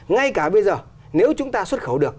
ngay cả bây giờ nếu chúng ta xuất khẩu được